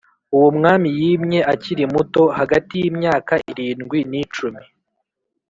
uwo mwami yimye akiri muto (hagati y'imyaka irindwi ni cumi)